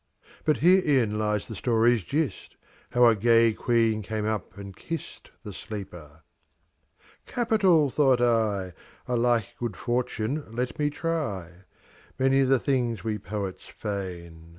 But herein lies the story's gist, How a gay queen came up and kist The sleeper. 'Capital!' thought I. 'A like good fortune let me try.' Many the things we poets feign.